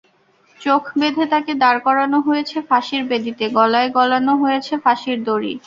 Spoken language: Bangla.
চোখ বেঁধে তাঁকে দাঁড় করানো হয়েছে ফাঁসির বেদিতে, গলায় গলানো হয়েছে ফাঁসির দড়ি।